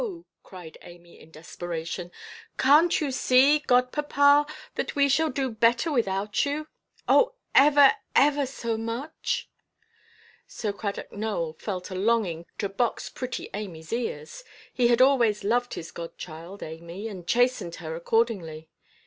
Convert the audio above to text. cried Amy, in desperation. "Canʼt you see, godpapa, that we shall do better without you; oh, ever, ever so much"? Sir Cradock Nowell felt a longing to box pretty Amyʼs ears; he had always loved his godchild, Amy, and chastened her accordingly.